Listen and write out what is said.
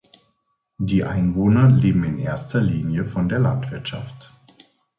Die Einwohner leben in erster Linie von der Landwirtschaft.